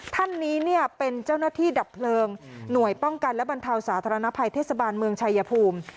ท่านนี้เนี่ยเป็นเจ้าหน้าที่ดับเพลิงหน่วยป้องกันและบรรเทาสาธารณภัยเทศบาลเมืองชายภูมิ